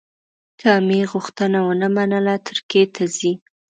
که امیر غوښتنه ونه منله ترکیې ته ځي.